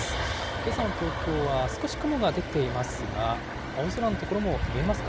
けさの東京は少し雲が出ていますが、青空の所も見えますか？